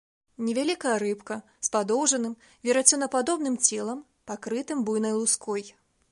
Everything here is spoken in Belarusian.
Невялікая рыбка з падоўжаным, верацёнападобным целам, пакрытым буйнай луской.